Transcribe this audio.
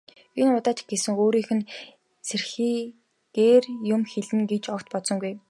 Энэ удаа ч гэсэн өөрийг нь сэрхийлгэхээр юм хэлнэ гэж огт бодсонгүй.